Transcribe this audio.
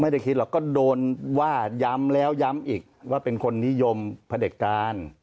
ไม่ได้คิดหรอกก็โดนว่าย้ำแล้วย้ำอีกว่าเป็นคนนิยมพระเด็จการ